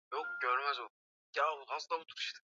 afya yatokanayo na matumizi ya madawa hayo ni makubwa kuliko